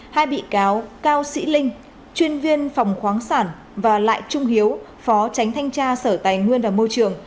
hai bị cáo cao sĩ linh chuyên viên phòng khoáng sản và lại trung hiếu phó tránh thanh tra sở tài nguyên và môi trường